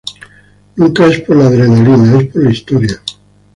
Nunca es por la adrenalina, es por la historia".